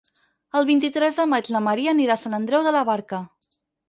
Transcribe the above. El vint-i-tres de maig na Maria anirà a Sant Andreu de la Barca.